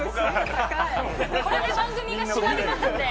これで番組が締まりますんで。